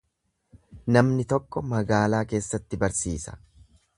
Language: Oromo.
Namni tokko magaalaa keessatti barsiisa.